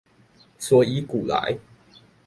所以古來